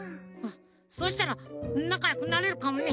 そうしたらなかよくなれるかもね。